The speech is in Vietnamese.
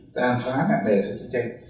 và cái nữa thì